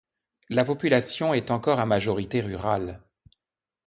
La population est encore à majorité rurale.